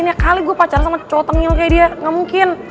ini kali gue pacar sama cowok tenggel kayak dia nggak mungkin